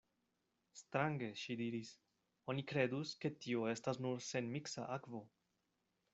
Strange, ŝi diris: oni kredus, ke tio estas nur senmiksa akvo.